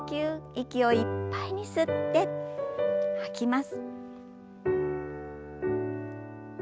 息をいっぱいに吸って吐きます。